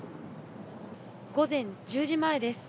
午前１０時前です。